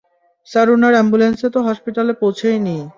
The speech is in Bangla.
স্যার উনার অ্যাম্বুলেন্স তো হসপিটাল পৌছেই নি।